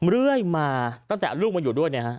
เรื่อยมาตั้งแต่ลูกมาอยู่ด้วยนะฮะ